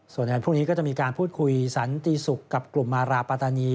ส่วนในวันพรุ่งนี้ก็จะมีการพูดคุยสันติศุกร์กับกลุ่มมาราปาตานี